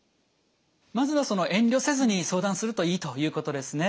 まずは遠慮せずに相談するといいということですね。